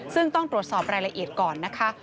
ซึ่งต้องตรวจสอบรายละเอียดก่อนนะคะ